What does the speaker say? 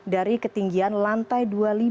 dari ketinggian lantai dua puluh lima